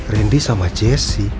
randy sama jesse